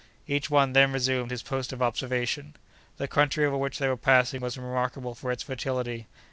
Each one then resumed his post of observation. The country over which they were passing was remarkable for its fertility.